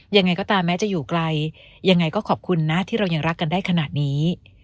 ยังไงก็ขอบคุณนะที่เรายังรักกันได้ขนาดนี้